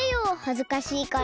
はずかしいから。